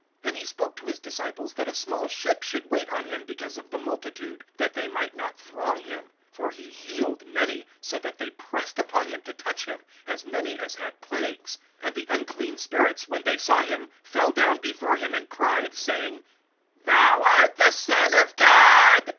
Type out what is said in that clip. (9)And he spoke to his disciples, that a small ship should wait on him because of the multitude, that they might not throng him. (10)For he healed many, so that they pressed upon him to touch him, as many as had plagues. (11)And the unclean spirits, when they saw him, fell down before him, and cried, saying: Thou art the Son of God.